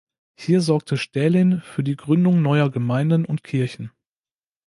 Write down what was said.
Hier sorgte Stählin für die Gründung neuer Gemeinden und Kirchen.